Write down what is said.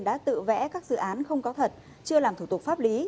đã tự vẽ các dự án không có thật chưa làm thủ tục pháp lý